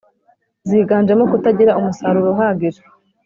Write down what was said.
ziganjemo kutagira umusaruro uhagije,